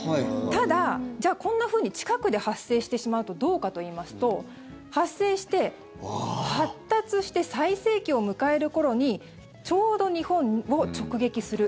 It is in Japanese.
ただ、じゃあこんなふうに近くで発生してしまうとどうかといいますと発生して、発達して最盛期を迎える頃にちょうど日本を直撃する。